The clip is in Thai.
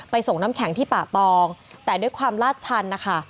ส่งน้ำแข็งที่ป่าตองแต่ด้วยความลาดชันนะคะ